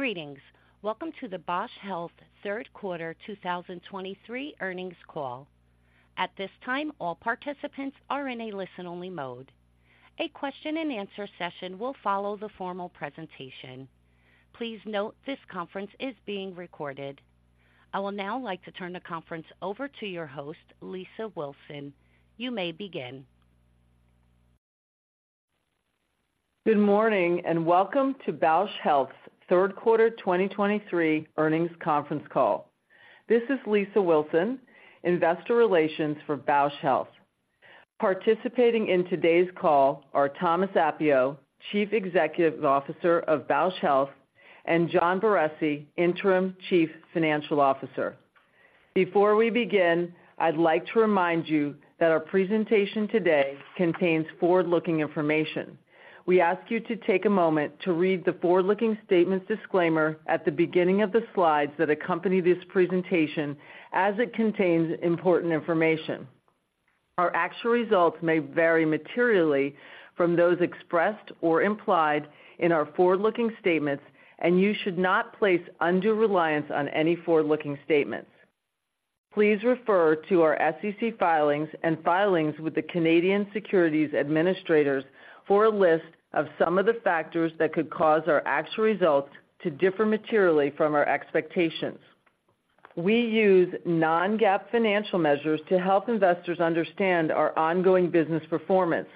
Greetings. Welcome to the Bausch Health Q3 2023 Earnings Call. At this time, all participants are in a listen-only mode. A question-and-answer session will follow the formal presentation. Please note this conference is being recorded. I will now like to turn the conference over to your host, Lisa Wilson. You may begin. Good morning, and welcome to Bausch Health's Q3 2023 earnings conference call. This is Lisa Wilson, Investor Relations for Bausch Health. Participating in today's call are Thomas Appio, Chief Executive Officer of Bausch Health, and John Barresi, Interim Chief Financial Officer. Before we begin, I'd like to remind you that our presentation today contains forward-looking information. We ask you to take a moment to read the forward-looking statements disclaimer at the beginning of the slides that accompany this presentation, as it contains important information. Our actual results may vary materially from those expressed or implied in our forward-looking statements, and you should not place undue reliance on any forward-looking statements. Please refer to our SEC filings and filings with the Canadian Securities Administrators for a list of some of the factors that could cause our actual results to differ materially from our expectations. We use non-GAAP financial measures to help investors understand our ongoing business performance.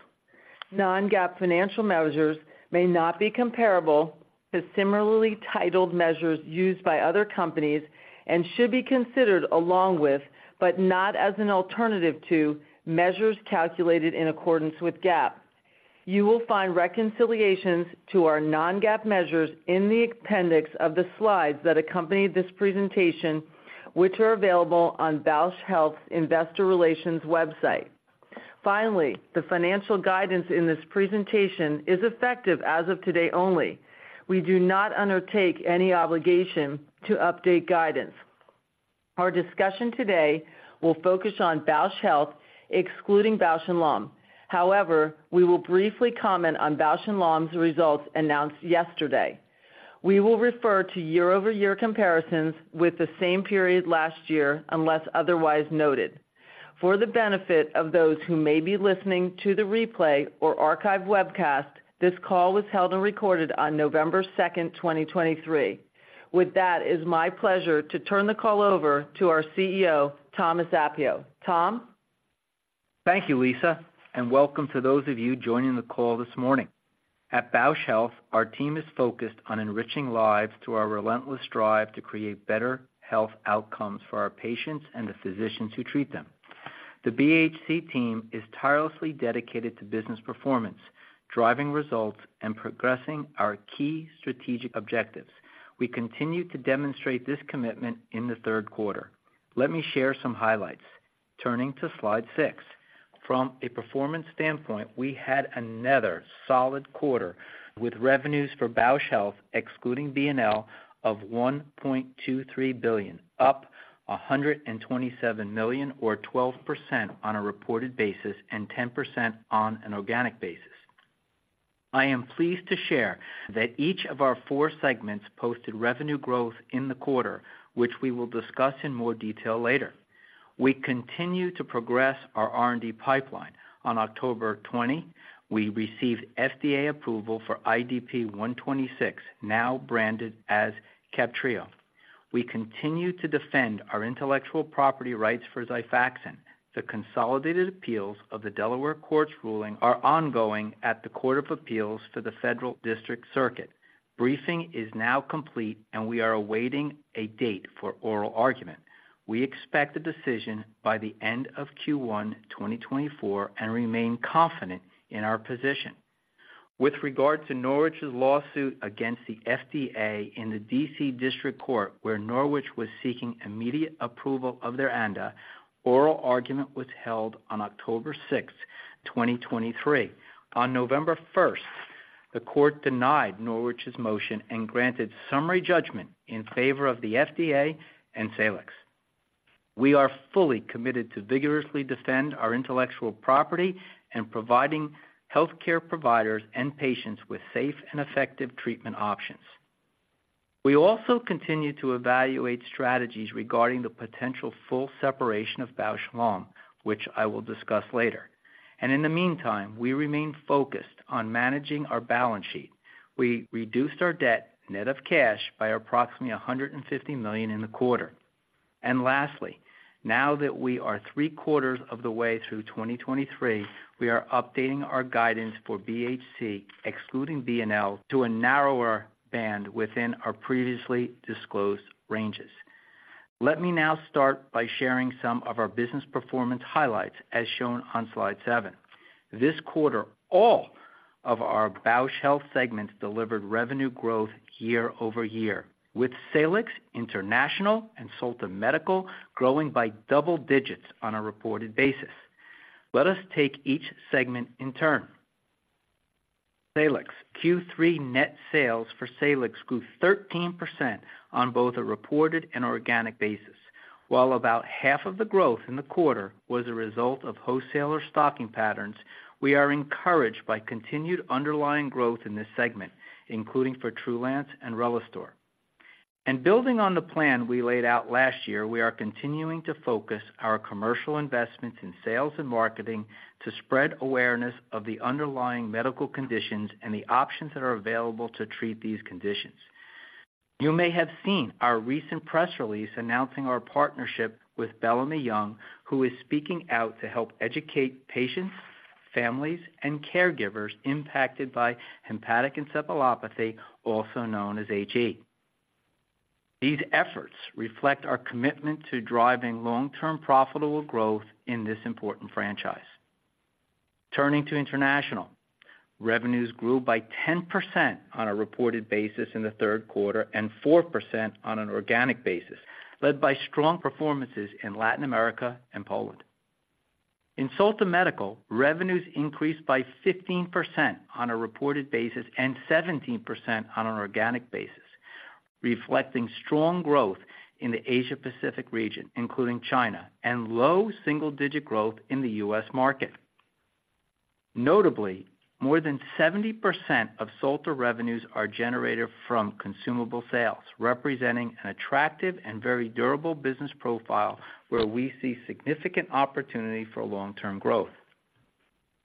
Non-GAAP financial measures may not be comparable to similarly titled measures used by other companies and should be considered along with, but not as an alternative to, measures calculated in accordance with GAAP. You will find reconciliations to our non-GAAP measures in the appendix of the slides that accompany this presentation, which are available on Bausch Health's Investor Relations website. Finally, the financial guidance in this presentation is effective as of today only. We do not undertake any obligation to update guidance. Our discussion today will focus on Bausch Health, excluding Bausch & Lomb. However, we will briefly comment on Bausch & Lomb's results announced yesterday. We will refer to year-over-year comparisons with the same period last year, unless otherwise noted. For the benefit of those who may be listening to the replay or archive webcast, this call was held and recorded on November 2, 2023. With that, it's my pleasure to turn the call over to our CEO, Thomas Appio. Tom? Thank you, Lisa, and welcome to those of you joining the call this morning. At Bausch Health, our team is focused on enriching lives through our relentless drive to create better health outcomes for our patients and the physicians who treat them. The BHC team is tirelessly dedicated to business performance, driving results, and progressing our key strategic objectives. We continue to demonstrate this commitment in the Q3. Let me share some highlights. Turning to slide six. From a performance standpoint, we had another solid quarter, with revenues for Bausch Health, excluding B&L, of $1.23 billion, up $127 million, or 12% on a reported basis and 10% on an organic basis. I am pleased to share that each of our four segments posted revenue growth in the quarter, which we will discuss in more detail later. We continue to progress our R&D pipeline. On October 20, we received FDA approval for IDP-126, now branded as CABTREO. We continue to defend our intellectual property rights for Xifaxan. The consolidated appeals of the Delaware Court's ruling are ongoing at the Court of Appeals for the Federal District Circuit. Briefing is now complete, and we are awaiting a date for oral argument. We expect a decision by the end of Q1 2024, and remain confident in our position. With regard to Norwich's lawsuit against the FDA in the D.C. District Court, where Norwich was seeking immediate approval of their ANDA, oral argument was held on October 6, 2023. On November 1, the court denied Norwich's motion and granted summary judgment in favor of the FDA and Salix. We are fully committed to vigorously defend our intellectual property and providing healthcare providers and patients with safe and effective treatment options. We also continue to evaluate strategies regarding the potential full separation of Bausch & Lomb, which I will discuss later. In the meantime, we remain focused on managing our balance sheet. We reduced our debt net of cash by approximately $150 million in the quarter. Lastly, now that we are three quarters of the way through 2023, we are updating our guidance for BHC, excluding B&L, to a narrower band within our previously disclosed ranges. Let me now start by sharing some of our business performance highlights, as shown on slide seven. This quarter, all of our Bausch Health segments delivered revenue growth year-over-year, with Salix, International, and Solta Medical growing by double digits on a reported basis. Let us take each segment in turn. Salix. Q3 net sales for Salix grew 13% on both a reported and organic basis. While about half of the growth in the quarter was a result of wholesaler stocking patterns, we are encouraged by continued underlying growth in this segment, including for Trulance and Relistor. Building on the plan we laid out last year, we are continuing to focus our commercial investments in sales and marketing to spread awareness of the underlying medical conditions and the options that are available to treat these conditions. You may have seen our recent press release announcing our partnership with Bellamy Young, who is speaking out to help educate patients, families, and caregivers impacted by hepatic encephalopathy, also known as HE. These efforts reflect our commitment to driving long-term profitable growth in this important franchise. Turning to International, revenues grew by 10% on a reported basis in the Q3 and 4% on an organic basis, led by strong performances in Latin America and Poland. In Solta Medical, revenues increased by 15% on a reported basis and 17% on an organic basis, reflecting strong growth in the Asia Pacific region, including China, and low single-digit growth in the U.S. market. Notably, more than 70% of Solta revenues are generated from consumable sales, representing an attractive and very durable business profile where we see significant opportunity for long-term growth.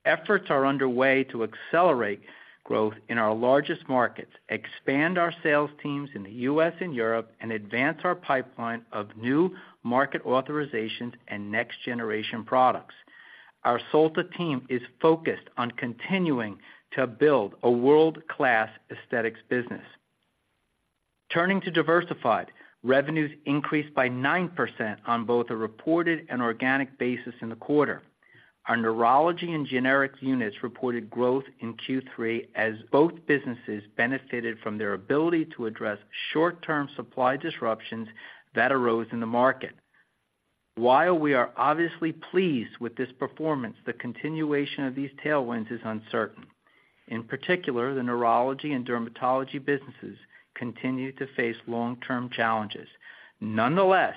Efforts are underway to accelerate growth in our largest markets, expand our sales teams in the U.S. and Europe, and advance our pipeline of new market authorizations and next-generation products. Our Solta team is focused on continuing to build a world-class aesthetics business. Turning to Diversified, revenues increased by 9% on both a reported and organic basis in the quarter. Our neurology and generic units reported growth in Q3, as both businesses benefited from their ability to address short-term supply disruptions that arose in the market. While we are obviously pleased with this performance, the continuation of these tailwinds is uncertain. In particular, the neurology and dermatology businesses continue to face long-term challenges. Nonetheless,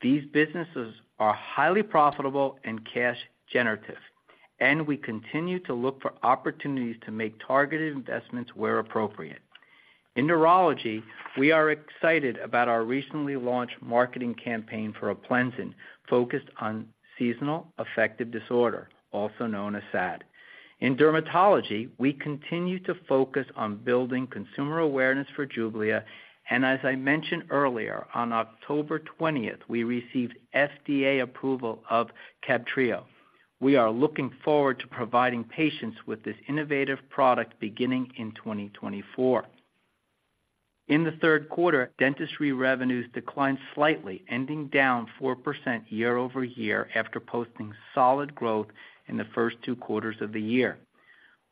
these businesses are highly profitable and cash generative, and we continue to look for opportunities to make targeted investments where appropriate. In neurology, we are excited about our recently launched marketing campaign for Aplenzin, focused on seasonal affective disorder, also known as SAD. In dermatology, we continue to focus on building consumer awareness for Jublia, and as I mentioned earlier, on October 20th, we received FDA approval of CABTREO. We are looking forward to providing patients with this innovative product beginning in 2024. In the Q3, dentistry revenues declined slightly, ending down 4% year-over-year after posting solid growth in the first two quarters of the year.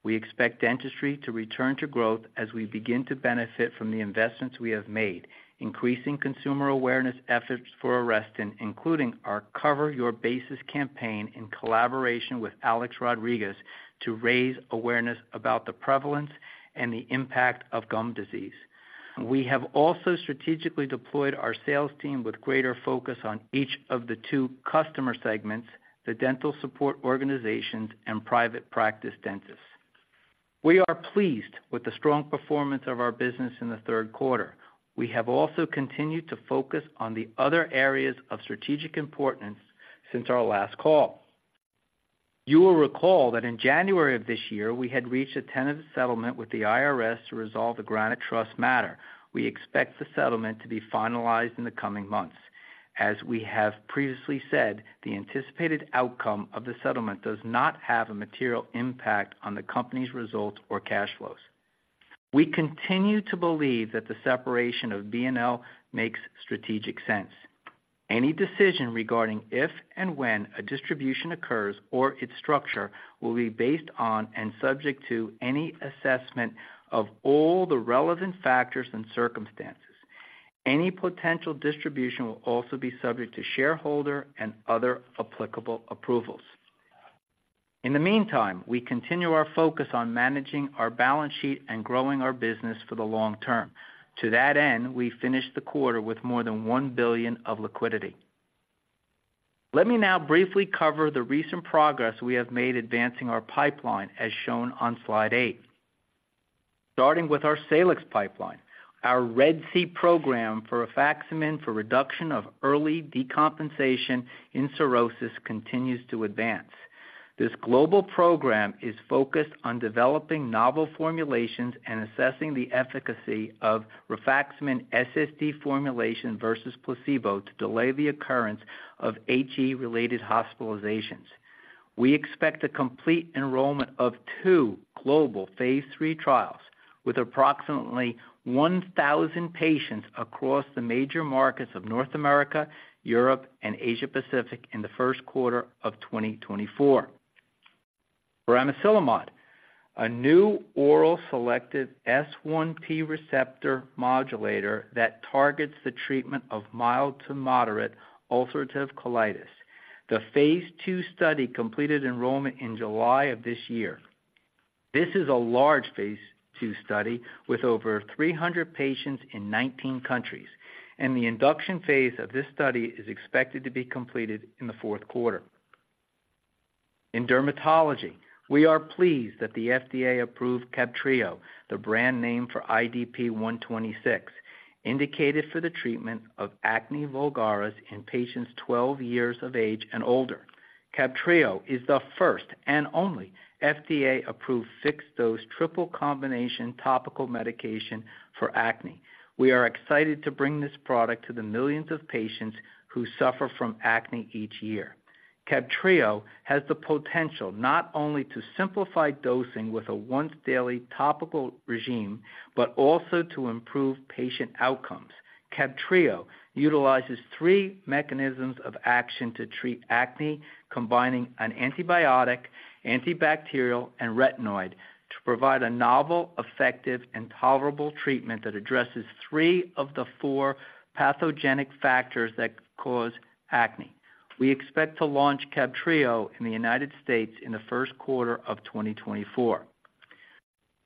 We expect dentistry to return to growth as we begin to benefit from the investments we have made, increasing consumer awareness efforts for Arestin, including our Cover Your Bases campaign in collaboration with Alex Rodriguez to raise awareness about the prevalence and the impact of gum disease. We have also strategically deployed our sales team with greater focus on each of the two customer segments, the dental support organizations and private practice dentists. We are pleased with the strong performance of our business in the Q3. We have also continued to focus on the other areas of strategic importance since our last call. You will recall that in January of this year, we had reached a tentative settlement with the IRS to resolve the Granite Trust matter. We expect the settlement to be finalized in the coming months. As we have previously said, the anticipated outcome of the settlement does not have a material impact on the company's results or cash flows. We continue to believe that the separation of B&L makes strategic sense. Any decision regarding if and when a distribution occurs or its structure will be based on and subject to any assessment of all the relevant factors and circumstances. Any potential distribution will also be subject to shareholder and other applicable approvals. In the meantime, we continue our focus on managing our balance sheet and growing our business for the long term. To that end, we finished the quarter with more than $1 billion of liquidity. Let me now briefly cover the recent progress we have made advancing our pipeline, as shown on slide 8. Starting with our Salix pipeline, our RED-C program for rifaximin for reduction of early decompensation in cirrhosis continues to advance. This global program is focused on developing novel formulations and assessing the efficacy of rifaximin SSD formulation versus placebo to delay the occurrence of HE-related hospitalizations. We expect a complete enrollment of two global phase III trials with approximately 1,000 patients across the major markets of North America, Europe, and Asia Pacific in the Q1 of 2024. For amiselimod, a new oral selective S1P receptor modulator that targets the treatment of mild to moderate ulcerative colitis. The phase II study completed enrollment in July of this year. This is a large phase II study with over 300 patients in 19 countries, and the induction phase of this study is expected to be completed in the Q4. In dermatology, we are pleased that the FDA approved CABTREO, the brand name for IDP-126, indicated for the treatment of acne vulgaris in patients 12 years of age and older. CABTREO is the first and only FDA-approved fixed-dose triple combination topical medication for acne. We are excited to bring this product to the millions of patients who suffer from acne each year. CABTREO has the potential not only to simplify dosing with a once-daily topical regimen, but also to improve patient outcomes. CABTREO utilizes three mechanisms of action to treat acne, combining an antibiotic, antibacterial, and retinoid to provide a novel, effective, and tolerable treatment that addresses three of the four pathogenic factors that cause acne. We expect to launch CABTREO in the United States in the Q1 of 2024.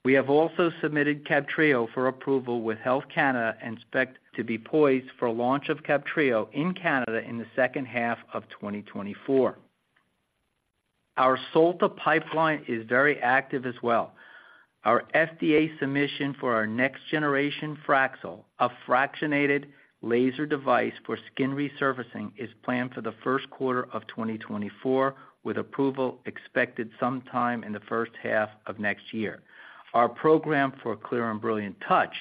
We have also submitted CABTREO for approval with Health Canada and expect to be poised for a launch of CABTREO in Canada in the second half of 2024. Our Solta pipeline is very active as well. Our FDA submission for our next generation Fraxel, a fractionated laser device for skin resurfacing, is planned for the Q1 of 2024, with approval expected sometime in the first half of next year. Our program for Clear and Brilliant Touch,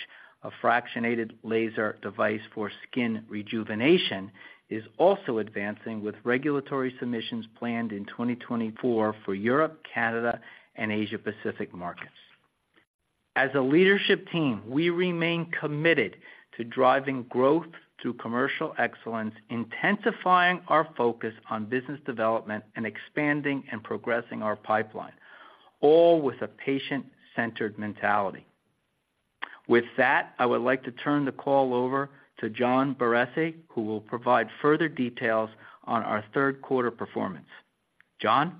a fractionated laser device for skin rejuvenation, is also advancing, with regulatory submissions planned in 2024 for Europe, Canada, and Asia Pacific markets. As a leadership team, we remain committed to driving growth through commercial excellence, intensifying our focus on business development, and expanding and progressing our pipeline, all with a patient-centered mentality. With that, I would like to turn the call over to John Barresi, who will provide further details on our Q3 performance. John?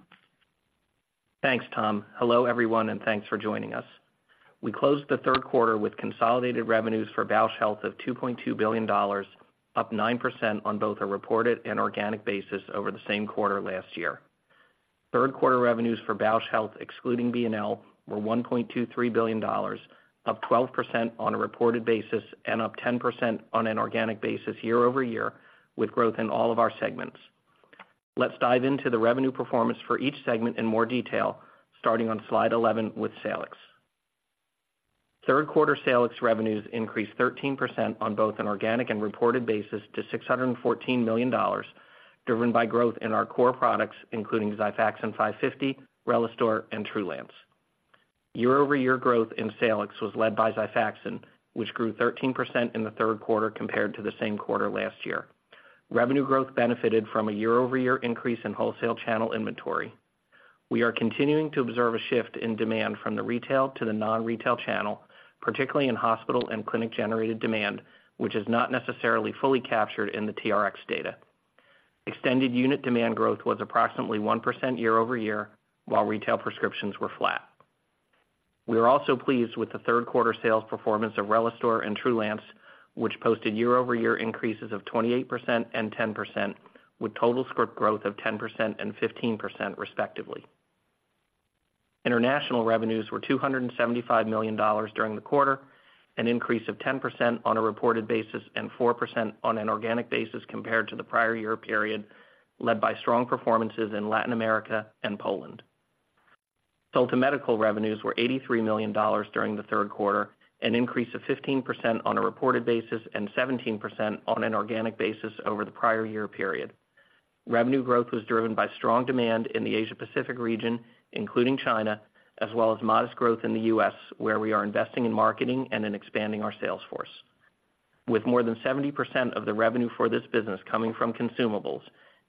Thanks, Tom. Hello, everyone, and thanks for joining us. We closed the Q3 with consolidated revenues for Bausch Health of $2.2 billion, up 9% on both a reported and organic basis over the same quarter last year. Q3 revenues for Bausch Health, excluding B&L, were $1.23 billion, up 12% on a reported basis and up 10% on an organic basis year-over-year, with growth in all of our segments. Let's dive into the revenue performance for each segment in more detail, starting on slide 11 with Salix. Q3 Salix revenues increased 13% on both an organic and reported basis to $614 million, driven by growth in our core products, including Xifaxan 550, Relistor, and Trulance. Year-over-year growth in Salix was led by Xifaxan, which grew 13% in the Q3 compared to the same quarter last year. Revenue growth benefited from a year-over-year increase in wholesale channel inventory. We are continuing to observe a shift in demand from the retail to the non-retail channel, particularly in hospital and clinic-generated demand, which is not necessarily fully captured in the TRX data. Extended unit demand growth was approximately 1% year over year, while retail prescriptions were flat. We are also pleased with the Q3 sales performance of Relistor and Trulance, which posted year-over-year increases of 28% and 10%, with total script growth of 10% and 15% respectively. International revenues were $275 million during the quarter, an increase of 10% on a reported basis and 4% on an organic basis compared to the prior year period, led by strong performances in Latin America and Poland. Solta Medical revenues were $83 million during the Q3, an increase of 15% on a reported basis and 17% on an organic basis over the prior year period. Revenue growth was driven by strong demand in the Asia Pacific region, including China, as well as modest growth in the U.S., where we are investing in marketing and in expanding our sales force. With more than 70% of the revenue for this business coming from consumables,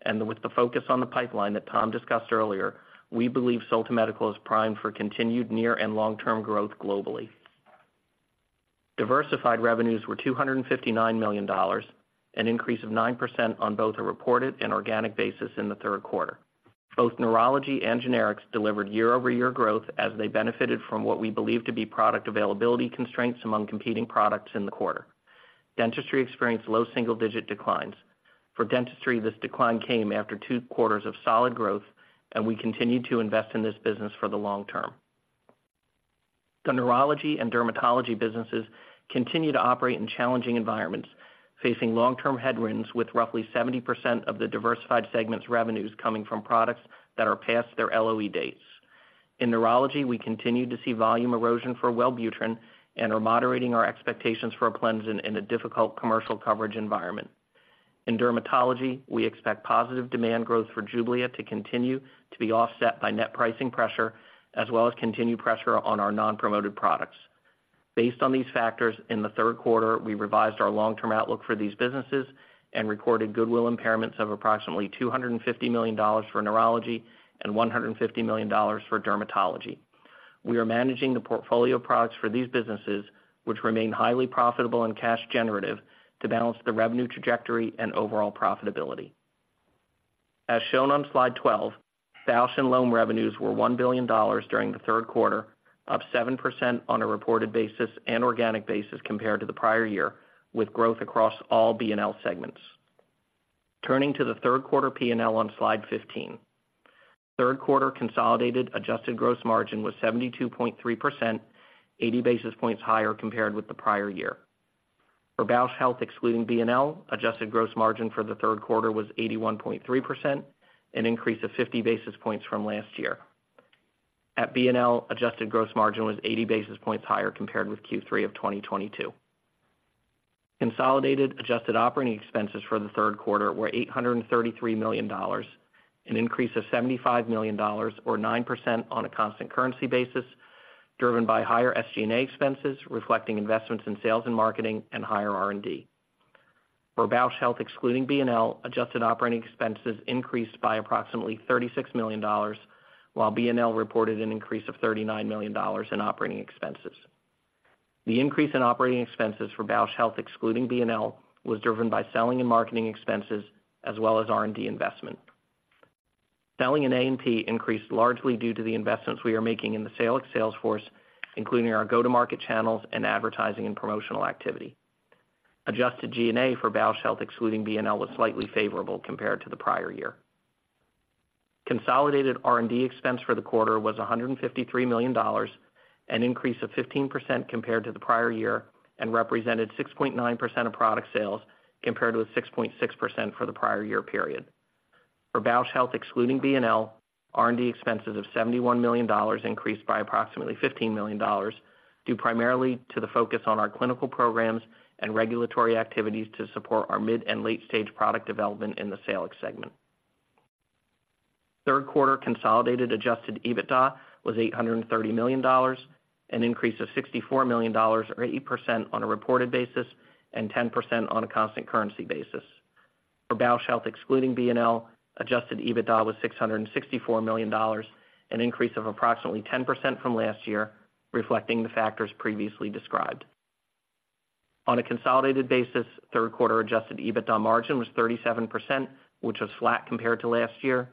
and with the focus on the pipeline that Tom discussed earlier, we believe Solta Medical is primed for continued near and long-term growth globally. Diversified revenues were $259 million, an increase of 9% on both a reported and organic basis in the Q3. Both neurology and generics delivered year-over-year growth as they benefited from what we believe to be product availability constraints among competing products in the quarter. Dentistry experienced low single-digit declines. For dentistry, this decline came after two quarters of solid growth, and we continue to invest in this business for the long term. The neurology and dermatology businesses continue to operate in challenging environments, facing long-term headwinds, with roughly 70% of the Diversified segment's revenues coming from products that are past their LOE dates. In neurology, we continue to see volume erosion for Wellbutrin and are moderating our expectations for Aplenzin in a difficult commercial coverage environment. In dermatology, we expect positive demand growth for Jublia to continue to be offset by net pricing pressure, as well as continued pressure on our non-promoted products. Based on these factors, in the Q3, we revised our long-term outlook for these businesses and recorded goodwill impairments of approximately $250 million for neurology and $150 million for dermatology. We are managing the portfolio of products for these businesses, which remain highly profitable and cash generative, to balance the revenue trajectory and overall profitability. As shown on Slide 12, Bausch & Lomb revenues were $1 billion during the Q3, up 7% on a reported basis and organic basis compared to the prior year, with growth across all B&L segments. Turning to the Q3 P&L on Slide 15. Q3 consolidated adjusted gross margin was 72.3%, 80 basis points higher compared with the prior year. For Bausch Health, excluding B&L, adjusted gross margin for the Q3 was 81.3%, an increase of 50 basis points from last year. At B&L, adjusted gross margin was 80 basis points higher compared with Q3 of 2022. Consolidated adjusted operating expenses for the Q3 were $833 million, an increase of $75 million, or 9% on a constant currency basis, driven by higher SG&A expenses, reflecting investments in sales and marketing and higher R&D. For Bausch Health, excluding B&L, adjusted operating expenses increased by approximately $36 million, while B&L reported an increase of $39 million in operating expenses. The increase in operating expenses for Bausch Health, excluding B&L, was driven by selling and marketing expenses, as well as R&D investment. Selling and A&P increased largely due to the investments we are making in the Salix sales force, including our go-to-market channels and advertising and promotional activity. Adjusted G&A for Bausch Health, excluding B&L, was slightly favorable compared to the prior year. Consolidated R&D expense for the quarter was $153 million, an increase of 15% compared to the prior year, and represented 6.9% of product sales, compared with 6.6% for the prior year period. For Bausch Health, excluding B&L, R&D expenses of $71 million increased by approximately $15 million, due primarily to the focus on our clinical programs and regulatory activities to support our mid- and late-stage product development in the Salix segment. Q3 consolidated Adjusted EBITDA was $830 million, an increase of $64 million or 8% on a reported basis and 10% on a constant currency basis. For Bausch Health, excluding B&L, Adjusted EBITDA was $664 million, an increase of approximately 10% from last year, reflecting the factors previously described. On a consolidated basis, Q3 Adjusted EBITDA margin was 37%, which was flat compared to last year.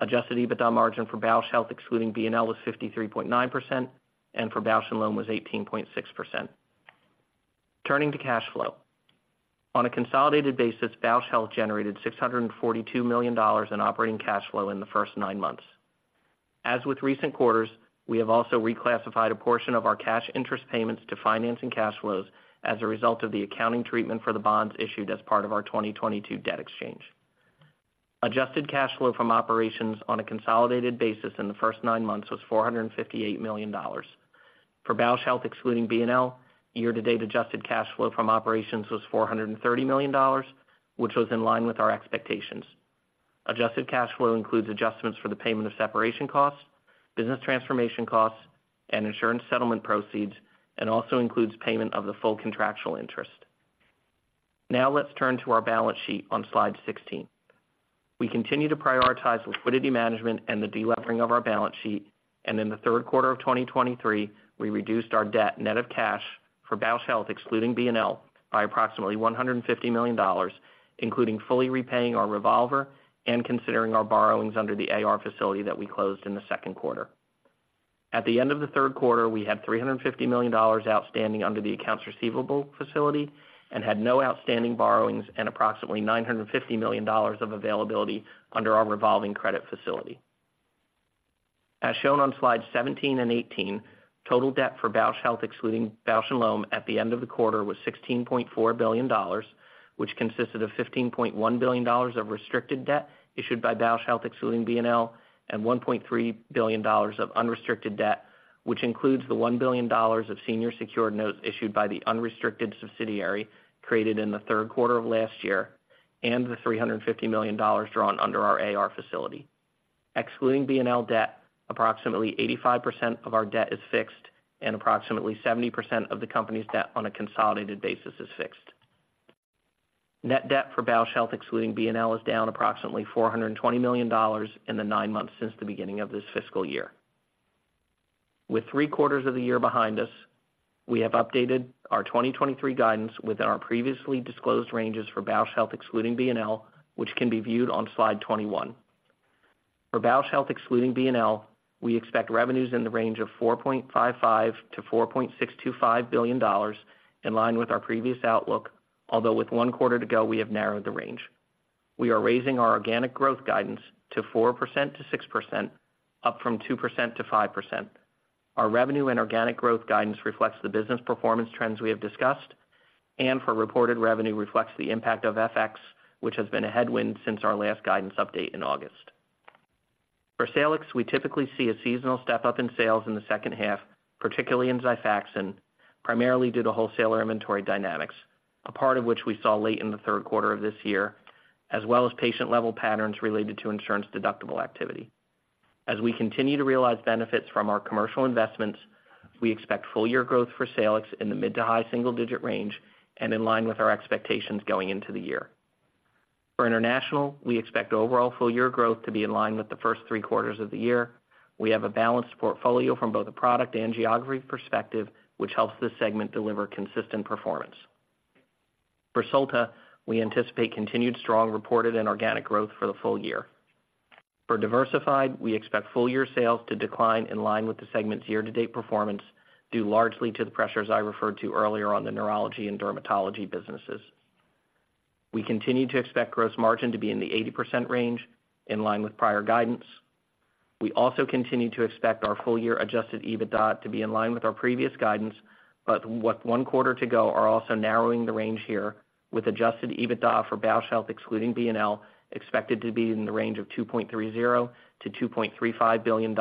Adjusted EBITDA margin for Bausch Health, excluding B&L, was 53.9%, and for Bausch & Lomb was 18.6%. Turning to cash flow. On a consolidated basis, Bausch Health generated $642 million in operating cash flow in the first 9 months. As with recent quarters, we have also reclassified a portion of our cash interest payments to financing cash flows as a result of the accounting treatment for the bonds issued as part of our 2022 debt exchange. Adjusted cash flow from operations on a consolidated basis in the first 9 months was $458 million. For Bausch Health, excluding B&L, year-to-date adjusted cash flow from operations was $430 million, which was in line with our expectations. Adjusted cash flow includes adjustments for the payment of separation costs, business transformation costs, and insurance settlement proceeds, and also includes payment of the full contractual interest. Now let's turn to our balance sheet on Slide 16. We continue to prioritize liquidity management and the delevering of our balance sheet, and in the Q3 of 2023, we reduced our debt net of cash for Bausch Health, excluding B&L, by approximately $150 million, including fully repaying our revolver and considering our borrowings under the AR facility that we closed in the Q2. At the end of the Q3, we had $350 million outstanding under the accounts receivable facility and had no outstanding borrowings and approximately $950 million of availability under our revolving credit facility. As shown on Slide 17 and 18, total debt for Bausch Health, excluding Bausch & Lomb, at the end of the quarter was $1.6 billion, which consisted of $1.5 billion of restricted debt issued by Bausch Health, excluding B&L, and $1.3 billion of unrestricted debt, which includes the $1 billion of senior secured notes issued by the unrestricted subsidiary created in the Q3 of last year, and the $350 million drawn under our AR facility. Excluding B&L debt, approximately 85% of our debt is fixed and approximately 70% of the company's debt on a consolidated basis is fixed. Net debt for Bausch Health, excluding B&L, is down approximately $420 million in the nine months since the beginning of this fiscal year. With three quarters of the year behind us, we have updated our 2023 guidance within our previously disclosed ranges for Bausch Health, excluding B&L, which can be viewed on Slide 21. For Bausch Health, excluding B&L, we expect revenues in the range of $4.55 billion-$4.625 billion, in line with our previous outlook, although with one quarter to go, we have narrowed the range. We are raising our organic growth guidance to 4%-6%, up from 2%-5%. Our revenue and organic growth guidance reflects the business performance trends we have discussed, and for reported revenue, reflects the impact of FX, which has been a headwind since our last guidance update in August. For Salix, we typically see a seasonal step-up in sales in the second half, particularly in Xifaxan, primarily due to wholesaler inventory dynamics, a part of which we saw late in the Q3 of this year, as well as patient-level patterns related to insurance deductible activity. As we continue to realize benefits from our commercial investments, we expect full-year growth for Salix in the mid to high single digit range and in line with our expectations going into the year. For International, we expect overall full-year growth to be in line with the first three quarters of the year. We have a balanced portfolio from both a product and geography perspective, which helps this segment deliver consistent performance. For Solta, we anticipate continued strong reported and organic growth for the full year. For Diversified, we expect full-year sales to decline in line with the segment's year-to-date performance, due largely to the pressures I referred to earlier on the neurology and dermatology businesses. We continue to expect gross margin to be in the 80% range, in line with prior guidance. We also continue to expect our full-year Adjusted EBITDA to be in line with our previous guidance, but with one quarter to go, are also narrowing the range here, with Adjusted EBITDA for Bausch Health, excluding B&L, expected to be in the range of $2.30 billion-$2.35 billion,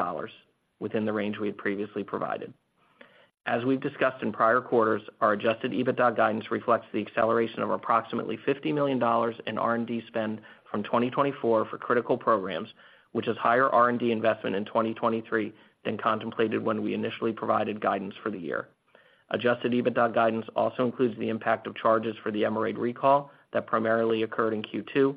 within the range we had previously provided. As we've discussed in prior quarters, our adjusted EBITDA guidance reflects the acceleration of approximately $50 million in R&D spend from 2024 for critical programs, which is higher R&D investment in 2023 than contemplated when we initially provided guidance for the year. Adjusted EBITDA guidance also includes the impact of charges for the Emerade recall that primarily occurred in Q2.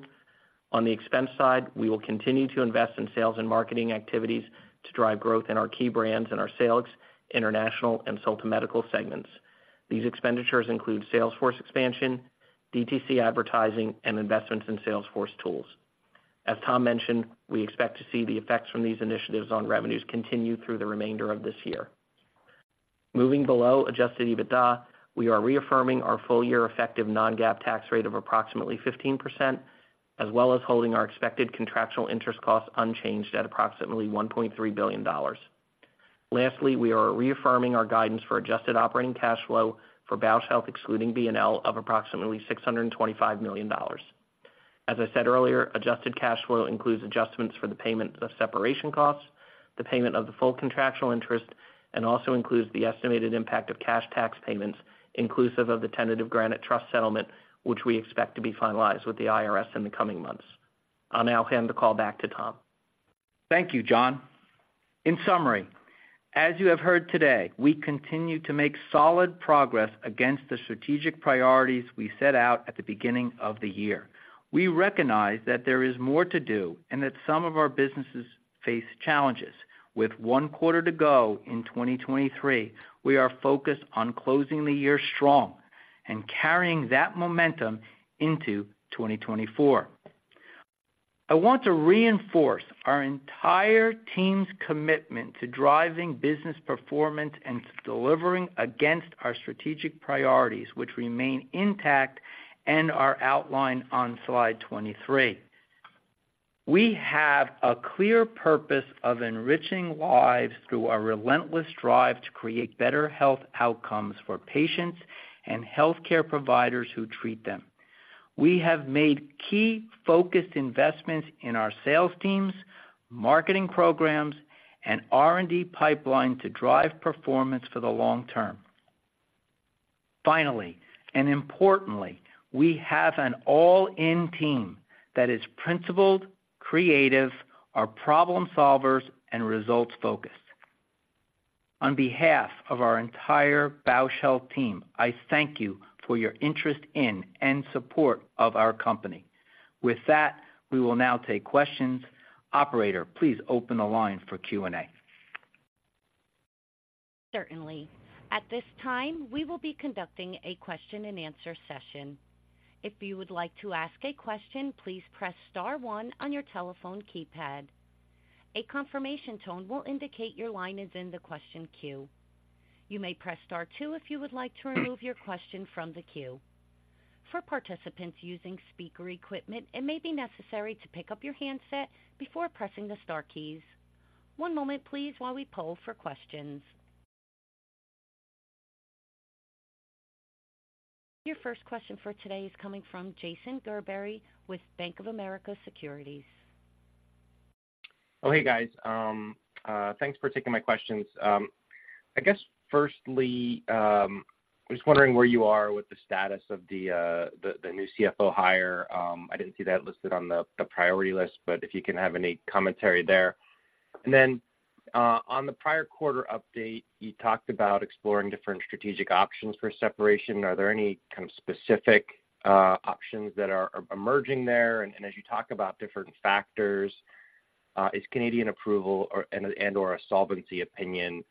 On the expense side, we will continue to invest in sales and marketing activities to drive growth in our key brands and our sales, international, and Solta Medical segments. These expenditures include salesforce expansion, DTC advertising, and investments in salesforce tools. As Tom mentioned, we expect to see the effects from these initiatives on revenues continue through the remainder of this year. Moving below adjusted EBITDA, we are reaffirming our full-year effective Non-GAAP tax rate of approximately 15%, as well as holding our expected contractual interest costs unchanged at approximately $1.3 billion. Lastly, we are reaffirming our guidance for adjusted operating cash flow for Bausch Health, excluding B&L, of approximately $625 million. As I said earlier, adjusted cash flow includes adjustments for the payment of separation costs, the payment of the full contractual interest, and also includes the estimated impact of cash tax payments, inclusive of the tentative Granite Trust settlement, which we expect to be finalized with the IRS in the coming months. I'll now hand the call back to Tom. Thank you, John. In summary, as you have heard today, we continue to make solid progress against the strategic priorities we set out at the beginning of the year. We recognize that there is more to do and that some of our businesses face challenges. With one quarter to go in 2023, we are focused on closing the year strong and carrying that momentum into 2024. I want to reinforce our entire team's commitment to driving business performance and delivering against our strategic priorities, which remain intact and are outlined on slide 23. We have a clear purpose of enriching lives through our relentless drive to create better health outcomes for patients and healthcare providers who treat them. We have made key focused investments in our sales teams, marketing programs, and R&D pipeline to drive performance for the long term. Finally, and importantly, we have an all-in team that is principled, creative, are problem solvers, and results-focused. On behalf of our entire Bausch Health team, I thank you for your interest in and support of our company. With that, we will now take questions. Operator, please open the line for Q&A. Certainly. At this time, we will be conducting a question-and-answer session. If you would like to ask a question, please press star one on your telephone keypad. A confirmation tone will indicate your line is in the question queue. You may press star two if you would like to remove your question from the queue. For participants using speaker equipment, it may be necessary to pick up your handset before pressing the star keys. One moment, please, while we poll for questions. Your first question for today is coming from Jason Gerberry with Bank of America Securities. Oh, hey, guys. Thanks for taking my questions. I guess firstly, just wondering where you are with the status of the new CFO hire. I didn't see that listed on the priority list, but if you can have any commentary there. And then, on the prior quarter update, you talked about exploring different strategic options for separation. Are there any kind of specific options that are emerging there? And as you talk about different factors, is Canadian approval and/or a solvency opinion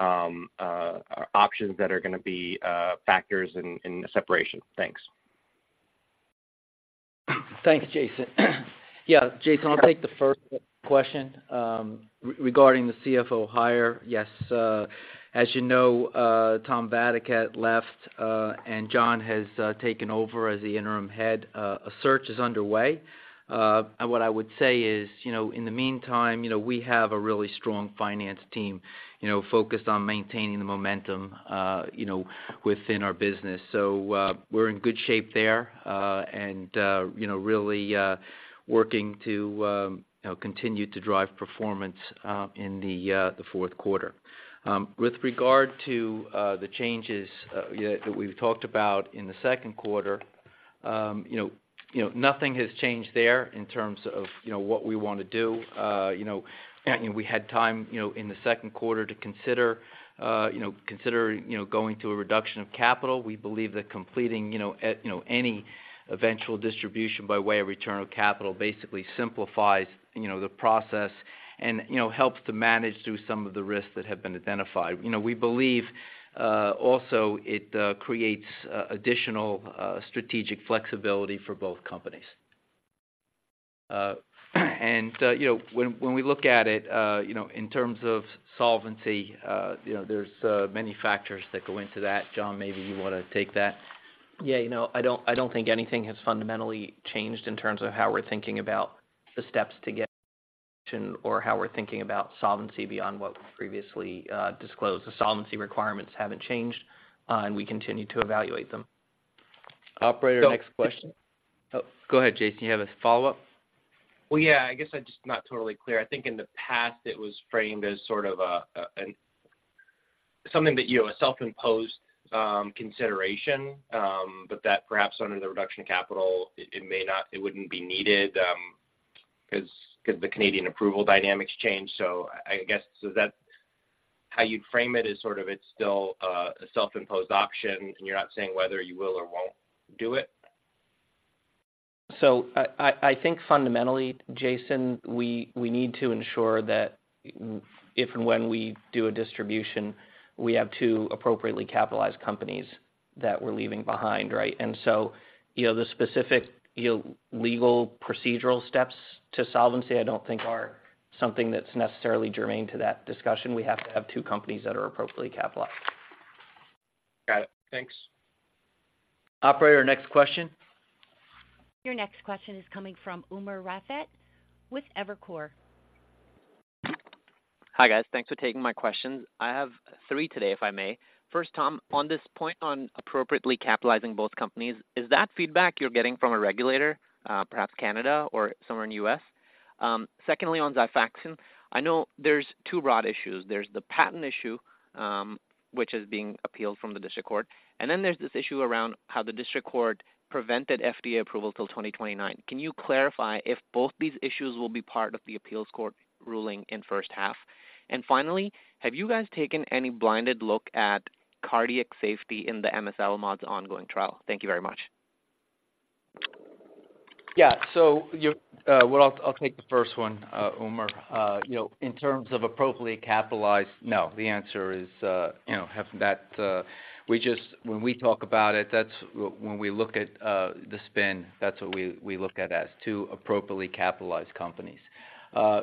options that are gonna be factors in the separation? Thanks. Thanks, Jason. Yeah, Jason, I'll take the first question. Regarding the CFO hire, yes, as you know, Tom Vadaketh left, and John has taken over as the interim head. A search is underway. And what I would say is, you know, in the meantime, you know, we have a really strong finance team, you know, focused on maintaining the momentum, you know, within our business. So, we're in good shape there, and, you know, really working to, you know, continue to drive performance in the Q4. With regard to the changes, yeah, that we've talked about in the Q2, you know, you know, nothing has changed there in terms of, you know, what we want to do. You know, and we had time, you know, in the Q2 to consider, you know, going to a reduction of capital. We believe that completing, you know, any eventual distribution by way of return of capital basically simplifies, you know, the process and, you know, helps to manage through some of the risks that have been identified. You know, we believe, also it creates additional strategic flexibility for both companies. And, you know, when we look at it, you know, in terms of solvency, you know, there's many factors that go into that. John, maybe you want to take that? Yeah, you know, I don't, I don't think anything has fundamentally changed in terms of how we're thinking about the steps to get to or how we're thinking about solvency beyond what we previously disclosed. The solvency requirements haven't changed, and we continue to evaluate them. Operator, next question. Oh, go ahead, Jason. You have a follow-up? Well, yeah. I guess I'm just not totally clear. I think in the past, it was framed as sort of a something that, you know, a self-imposed consideration, but that perhaps under the reduction of capital, it may not it wouldn't be needed, because the Canadian approval dynamics changed. So I guess, so is that how you'd frame it, as sort of it's still a self-imposed option, and you're not saying whether you will or won't do it? So I think fundamentally, Jason, we need to ensure that if and when we do a distribution, we have two appropriately capitalized companies that we're leaving behind, right? And so, you know, the specific, you know, legal, procedural steps to solvency, I don't think are something that's necessarily germane to that discussion. We have to have two companies that are appropriately capitalized. Got it. Thanks. Operator, next question. Your next question is coming from Umer Raffat with Evercore. Hi, guys. Thanks for taking my questions. I have three today, if I may. First, Tom, on this point on appropriately capitalizing both companies, is that feedback you're getting from a regulator, perhaps Canada or somewhere in the U.S.? Secondly, on Xifaxan, I know there's two broad issues. There's the patent issue, which is being appealed from the District Court, and then there's this issue around how the district court prevented FDA approval till 2029. Can you clarify if both these issues will be part of the appeals court ruling in first half? And finally, have you guys taken any blinded look at cardiac safety in the amiselimod ongoing trial? Thank you very much. Yeah. So you're, well, I'll take the first one, Umer. You know, in terms of appropriately capitalized, no, the answer is, you know, have that, We just, when we talk about it, that's when we look at the spin, that's what we look at as two appropriately capitalized companies.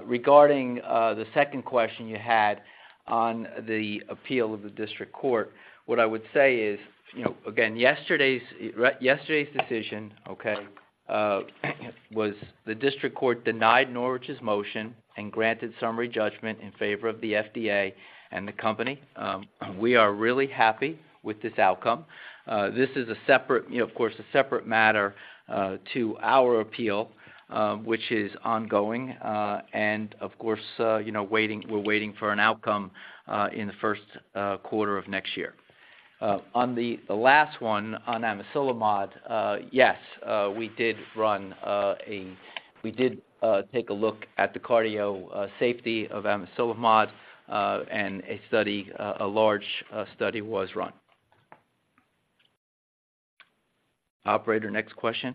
Regarding the second question you had on the appeal of the district court, what I would say is, you know, again, yesterday's decision, okay, was the district court denied Norwich's motion and granted summary judgment in favor of the FDA and the company. We are really happy with this outcome. This is a separate, you know, of course, a separate matter to our appeal, which is ongoing, and of course, you know, we're waiting for an outcome in the Q1 of next year. On the last one, on amiselimod, yes, we did take a look at the cardio safety of amiselimod, and a large study was run. Operator, next question.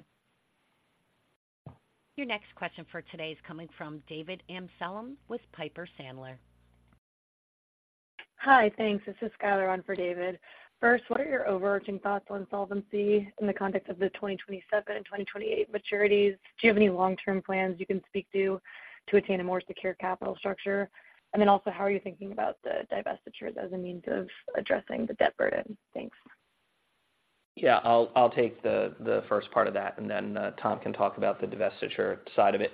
Your next question for today is coming from David Amsellem with Piper Sandler. Hi, thanks. This is Schuyler on for David. First, what are your overarching thoughts on solvency in the context of the 2027 and 2028 maturities? Do you have any long-term plans you can speak to, to attain a more secure capital structure? And then also, how are you thinking about the divestitures as a means of addressing the debt burden? Thanks. Yeah, I'll take the first part of that, and then Tom can talk about the divestiture side of it.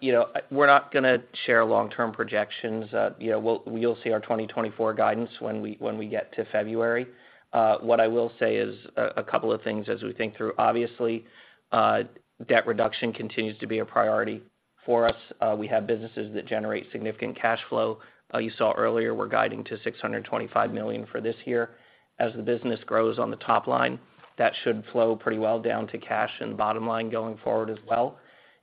You know, we're not gonna share long-term projections. You know, you'll see our 2024 guidance when we get to February. What I will say is a couple of things as we think through. Obviously, debt reduction continues to be a priority for us. We have businesses that generate significant cash flow. You saw earlier, we're guiding to $625 million for this year. As the business grows on the top line, that should flow pretty well down to cash and bottom line going forward as well.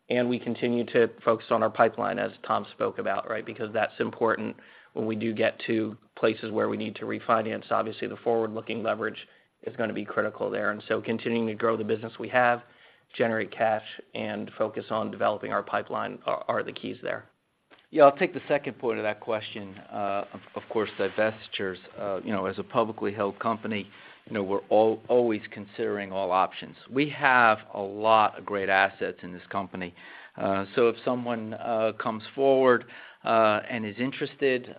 And we continue to focus on our pipeline, as Tom spoke about, right? Because that's important when we do get to places where we need to refinance. Obviously, the forward-looking leverage is gonna be critical there, and so continuing to grow the business we have, generate cash, and focus on developing our pipeline are the keys there. Yeah, I'll take the second point of that question. Of course, divestitures, you know, as a publicly held company, you know, we're always considering all options. We have a lot of great assets in this company. So if someone comes forward and is interested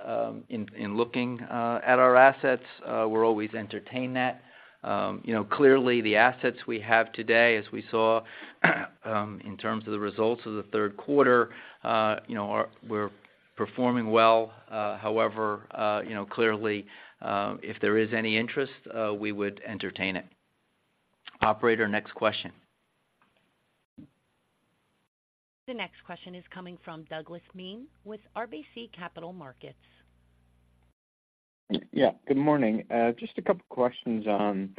in looking at our assets, we'll always entertain that. You know, clearly, the assets we have today, as we saw, in terms of the results of the Q3, you know, are performing well. However, you know, clearly, if there is any interest, we would entertain it. Operator, next question. The next question is coming from Douglas Miehm with RBC Capital Markets. Yeah, good morning. Just a couple questions on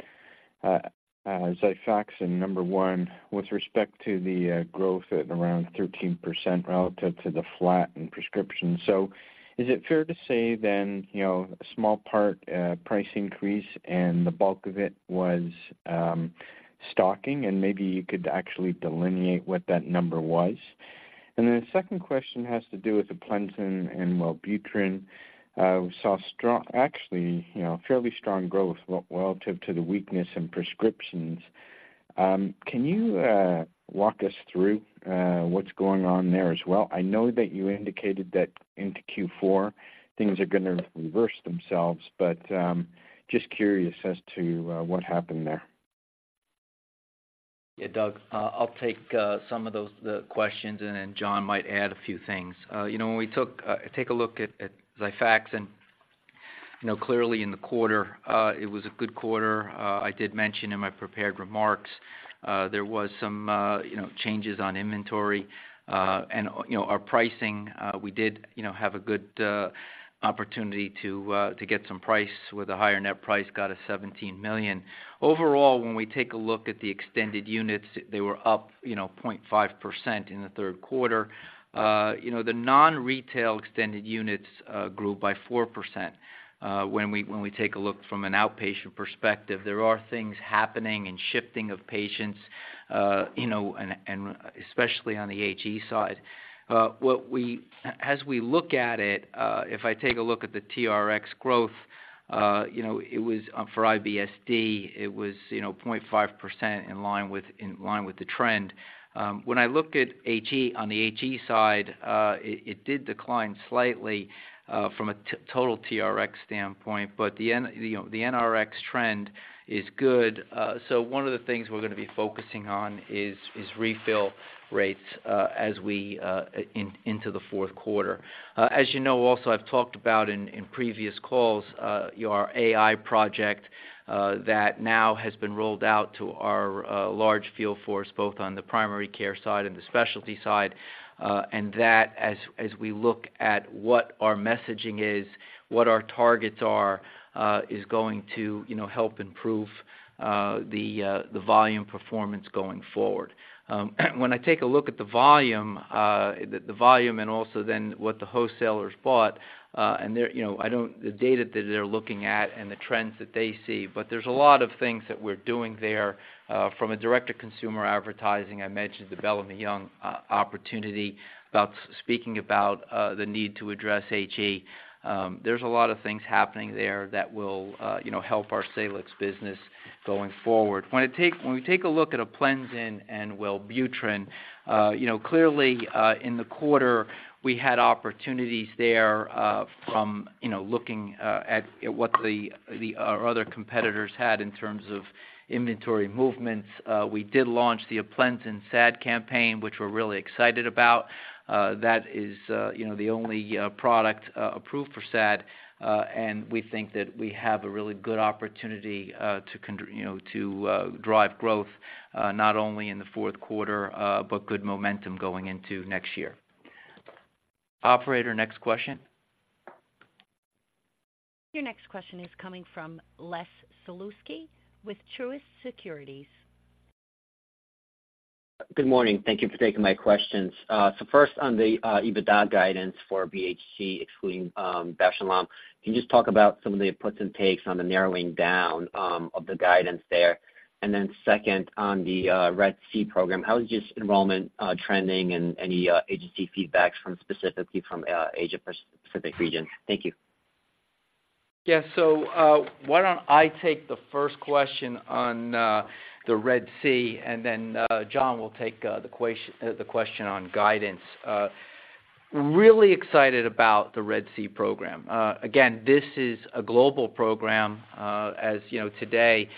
Xifaxan. Number one, with respect to the growth at around 13% relative to the flat in prescription. So is it fair to say then, you know, a small part, price increase and the bulk of it was stocking? And maybe you could actually delineate what that number was. The second question has to do with Aplenzin and Wellbutrin. We saw strong, actually, you know, fairly strong growth relative to the weakness in prescriptions. Can you walk us through what's going on there as well? I know that you indicated that into Q4, things are gonna reverse themselves, but just curious as to what happened there. Yeah, Doug, I'll take some of those, the questions, and then John might add a few things. You know, when we take a look at Xifaxan, and, you know, clearly in the quarter, it was a good quarter. I did mention in my prepared remarks, there was some, you know, changes on inventory, and, you know, our pricing, we did, you know, have a good opportunity to get some price with a higher net price, got a $17 million. Overall, when we take a look at the extended units, they were up, you know, 0.5% in the Q3. You know, the non-retail extended units grew by 4%. When we take a look from an outpatient perspective, there are things happening and shifting of patients, you know, and especially on the HE side. As we look at it, if I take a look at the TRX growth, you know, it was for IBSD, it was, you know, 0.5% in line with the trend. When I look at HE, on the HE side, it did decline slightly from a total TRX standpoint, but the NRX trend is good. So one of the things we're gonna be focusing on is refill rates as we into the Q4. As you know, also, I've talked about in previous calls our AI project that now has been rolled out to our large field force, both on the primary care side and the specialty side, and that, as we look at what our messaging is, what our targets are, is going to, you know, help improve the volume performance going forward. When I take a look at the volume, the volume and also then what the wholesalers bought, and they're, you know, the data that they're looking at and the trends that they see, but there's a lot of things that we're doing there. From a direct-to-consumer advertising, I mentioned the Bellamy Young opportunity, about speaking about the need to address HE. There's a lot of things happening there that will, you know, help our Salix business going forward. When we take a look at Aplenzin and Wellbutrin, you know, clearly, in the quarter, we had opportunities there, from, you know, looking, at, at what the, the, our other competitors had in terms of inventory movements. We did launch the Aplenzin SAD campaign, which we're really excited about. That is, you know, the only, product, approved for SAD, and we think that we have a really good opportunity, to you know, to drive growth, not only in the Q4, but good momentum going into next year. Operator, next question? Your next question is coming from Les Sulewski with Truist Securities. Good morning. Thank you for taking my questions. So first on the EBITDA guidance for BHC, excluding Bausch & Lomb, can you just talk about some of the puts and takes on the narrowing down of the guidance there? And then second, on the RED-C program, how is this enrollment trending and any agency feedbacks from specifically Asia Pacific region? Thank you. Yeah, so why don't I take the first question on the RED-C, and then John will take the question on guidance. Really excited about the RED-C program. Again, this is a global program. As you know, today,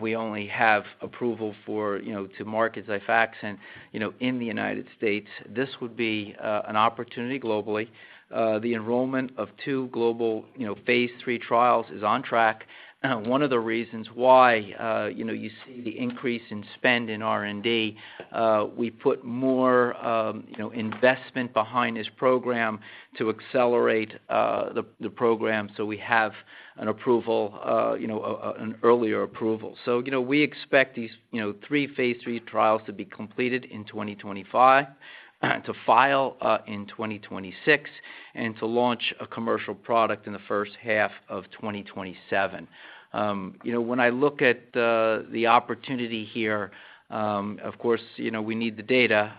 we only have approval for, you know, to market Xifaxan, and, you know, in the United States, this would be an opportunity globally. The enrollment of two global, you know, phase III trials is on track. One of the reasons why, you know, you see the increase in spend in R&D, we put more, you know, investment behind this program to accelerate the program, so we have an approval, you know, an earlier approval. So, you know, we expect these, you know, three phase III trials to be completed in 2025, to file in 2026, and to launch a commercial product in the first half of 2027. You know, when I look at the opportunity here, of course, you know, we need the data,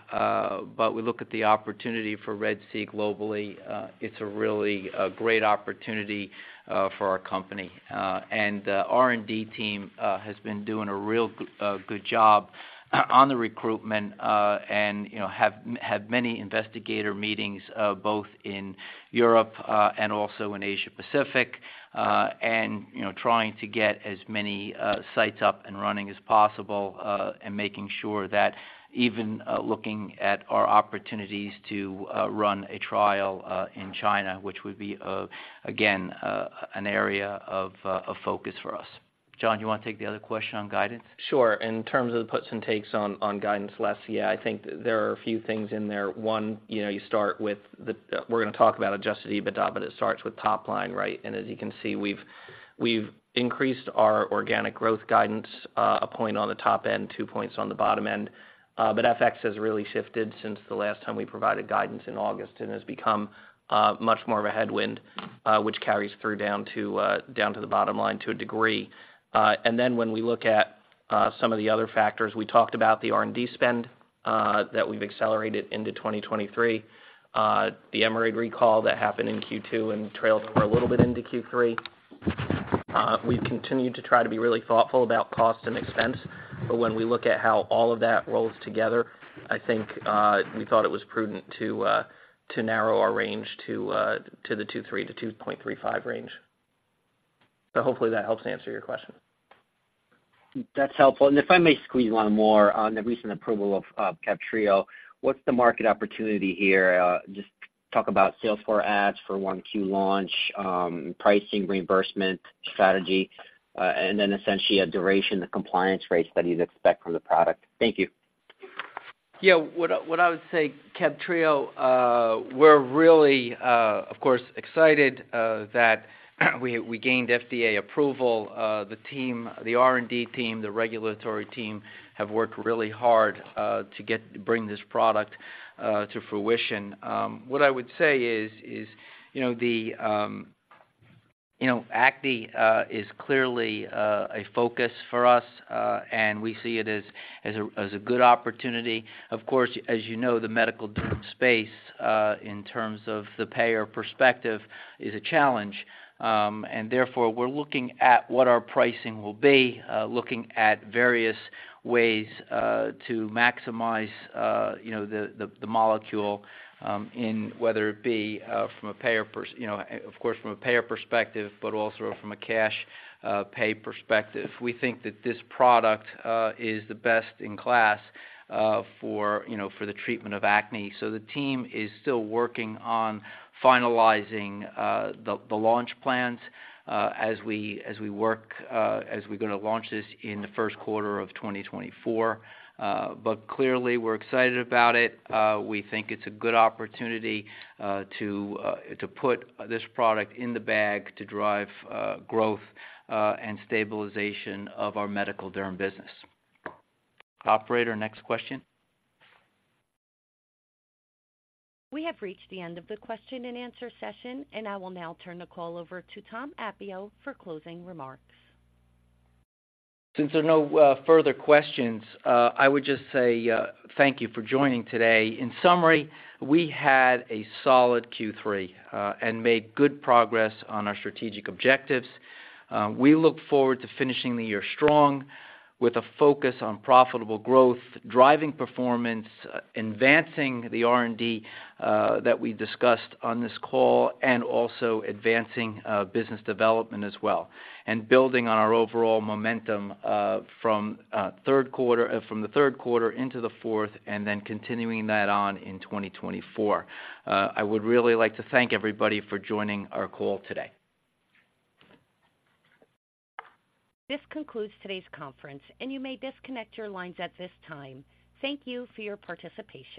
but we look at the opportunity for RED-C globally, it's a really great opportunity for our company. And the R&D team has been doing a real good job on the recruitment, and, you know, have had many investigator meetings both in Europe and also in Asia Pacific, and, you know, trying to get as many sites up and running as possible, and making sure that even looking at our opportunities to run a trial in China, which would be again an area of focus for us. John, you wanna take the other question on guidance? Sure. In terms of the puts and takes on guidance, Les, yeah, I think there are a few things in there. One, you know, you start with the, We're gonna talk about Adjusted EBITDA, but it starts with top line, right? And as you can see, we've increased our organic growth guidance a point on the top end, two points on the bottom end. But FX has really shifted since the last time we provided guidance in August and has become much more of a headwind, which carries through down to the bottom line to a degree. And then when we look at- some of the other factors. We talked about the R&D spend, that we've accelerated into 2023. The Emerade recall that happened in Q2 and trailed over a little bit into Q3. We've continued to try to be really thoughtful about cost and expense, but when we look at how all of that rolls together, I think, we thought it was prudent to, to narrow our range to, to the 2.3-2.35 range. So hopefully that helps answer your question. That's helpful, and if I may squeeze one more. On the recent approval of, of CABTREO, what's the market opportunity here? Just talk about sales for ads, for 1Q launch, pricing, reimbursement strategy, and then essentially, a duration, the compliance rates that you'd expect from the product. Thank you. Yeah, what I would say, CABTREO, we're really, of course, excited that we gained FDA approval. The team, the R&D team, the regulatory team, have worked really hard to bring this product to fruition. What I would say is, you know, acne is clearly a focus for us, and we see it as a good opportunity. Of course, as you know, the medical derm space, in terms of the payer perspective, is a challenge. And therefore, we're looking at what our pricing will be, looking at various ways to maximize, you know, the molecule, in whether it be from a payer perspective, you know, of course, from a payer perspective, but also from a cash pay perspective. We think that this product is the best in class, you know, for the treatment of acne. So the team is still working on finalizing the launch plans as we're gonna launch this in the Q1 of 2024. But clearly, we're excited about it. We think it's a good opportunity to put this product in the bag to drive growth and stabilization of our medical derm business. Operator, next question. We have reached the end of the question and answer session, and I will now turn the call over to Tom Appio for closing remarks. Since there are no further questions, I would just say, thank you for joining today. In summary, we had a solid Q3 and made good progress on our strategic objectives. We look forward to finishing the year strong, with a focus on profitable growth, driving performance, advancing the R&D that we discussed on this call, and also advancing business development as well, and building on our overall momentum from the Q3 into the fourth, and then continuing that on in 2024. I would really like to thank everybody for joining our call today. This concludes today's conference, and you may disconnect your lines at this time. Thank you for your participation.